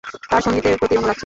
তার সংগীতের প্রতি অনুরাগ ছিল।